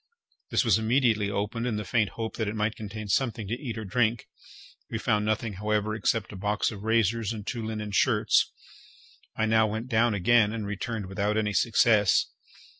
This was immediately opened in the faint hope that it might contain something to eat or drink. We found nothing, however, except a box of razors and two linen shirts. I now went down again, and returned without any success.